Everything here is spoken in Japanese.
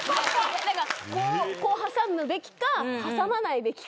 何かこうこう挟むべきか挟まないべきか。